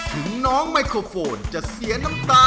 ถึงน้องไมโครโฟนจะเสียน้ำตา